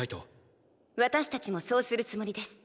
私たちもそうするつもりです。